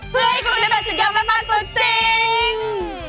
เพื่อให้คุณได้เป็นสุดยอดแม่บ้านตัวจริง